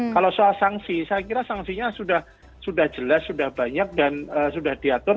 kalau soal sanksi saya kira sanksinya sudah jelas sudah banyak dan sudah diatur